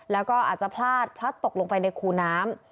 แล้วก็อาจจะพลาดพลัดตกลงไปในคูน้ำ